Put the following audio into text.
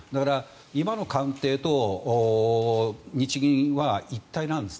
今の官邸と日銀は一体なんです。